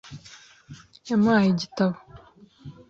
Yamuhaye igitabo .